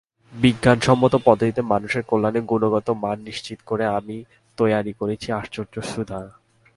বিজ্ঞানসম্মত পদ্ধতিতে মানুষের কল্যাণে গুণগত মান নিশ্চিত করে আমি তৈয়ারি করেছি আশ্চর্য সুধা।